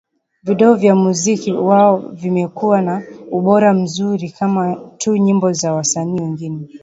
video za muziki wao zimekuwa na ubora mzuri kama tu nyimbo za wasanii wengine